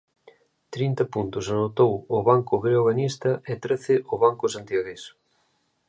Trinta puntos anotou o banco breoganista e trece o banco santiagués.